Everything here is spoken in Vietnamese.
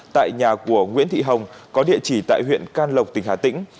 tại nhà của nguyễn thị hồng có địa chỉ tại huyện can lộc tỉnh hà tĩnh